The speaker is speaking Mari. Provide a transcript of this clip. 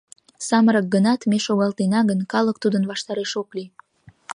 Самырык гынат, ме шогалтена гын, калык тудын ваштареш ок лий.